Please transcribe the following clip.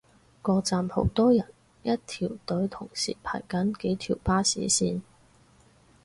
個站好多人，一條隊同時排緊幾條巴士線